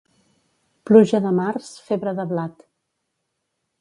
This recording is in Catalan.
Pluja de març, febre de blat.